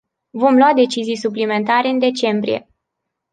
Vom lua decizii suplimentare în decembrie.